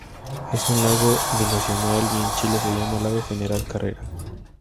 Es un lago binacional y en Chile se llama lago General Carrera.